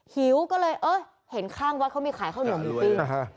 หิวก็เลยเออเห็นข้างวัดเขามีขายข้าวเหนียวหมูปิ้ง